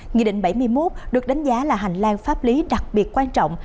nghị định bảy mươi một được đánh giá là hành lang pháp lý đặc biệt quan trọng